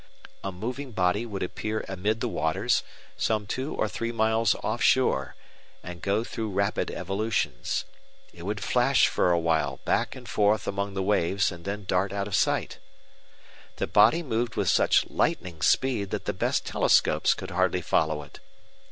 A moving body would appear amid the waters, some two or three miles off shore, and go through rapid evolutions. It would flash for a while back and forth among the waves and then dart out of sight. The body moved with such lightning speed that the best telescopes could hardly follow it.